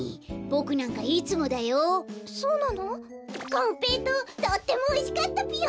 こんぺいとうとってもおいしかったぴよ。